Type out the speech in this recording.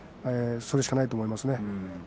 それしかないと思います。